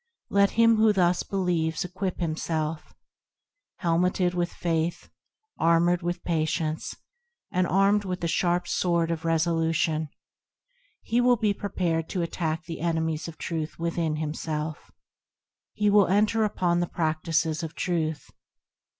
Let him who thus believes, equip himself :– Helmeted with Faith, Armoured with Patience, And armed with the sharp Sword of Resolution, He will be prepared to attack the enemies of Truth within himself; He will enter upon the Practices of Truth.